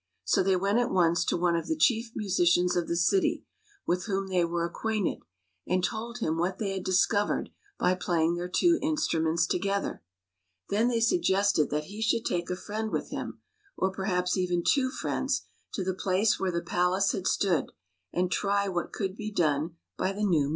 So they went at once to one of the chief musicians of the city, with whom they were acquainted, and told him what they had discovered by playing their two instruments together. Then they suggested that he should take a friend with him — or per haps even two friends — to the place where the palace had stood, and try what could be done by the new music.